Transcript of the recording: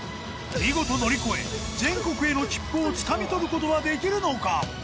見事乗り越え全国への切符をつかみとることはできるのか？